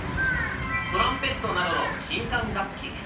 トランペットなどの金管楽器。